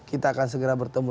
kita akan segera bertemu